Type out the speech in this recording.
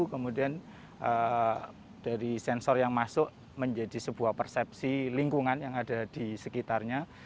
kemudian dari sensor yang masuk menjadi sebuah persepsi lingkungan yang ada di sekitarnya